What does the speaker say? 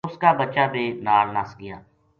اس کا بچا بے نال نس گیا